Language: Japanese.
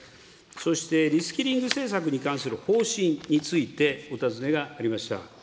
そしてリスキリング政策に関する方針についてお尋ねがありました。